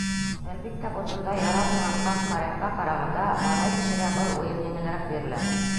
Әлбиттә, ботонда яра булған ҡарт морякка ҡарағанда малай кешегә был уйын еңелерәк бирелә.